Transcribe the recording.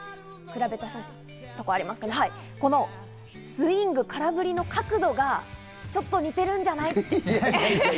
このスイング、空振りの角度がちょっと似てるんじゃないか？